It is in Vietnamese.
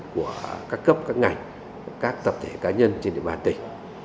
của các cấp các ngành các tập thể cá nhân trên địa bàn tỉnh